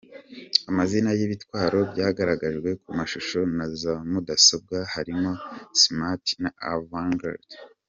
Amazina y’ibitwaro byagaragajwe ku mashusho na za mudasobwa harimo Sarmat na Avangard.